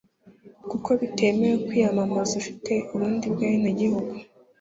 kuko bitemewe kwiyamamaza ufite ubundi bwenegihugu